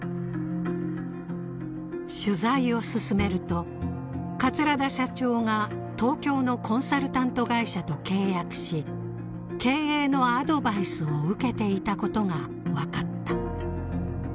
取材を進めると桂田社長が東京のコンサルタント会社と契約し経営のアドバイスを受けていたことがわかった。